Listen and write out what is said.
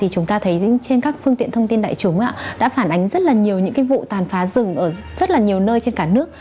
chúng ta thấy trên các phương tiện thông tin đại chúng đã phản ánh rất nhiều vụ tàn phá rừng ở rất nhiều nơi trên cả nước